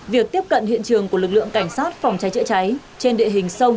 việc tiếp cận hiện trường của lực lượng cảnh sát phòng cháy chữa cháy trên địa hình sông